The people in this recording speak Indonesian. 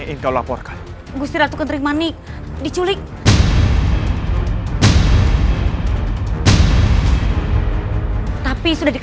di dalam registrasi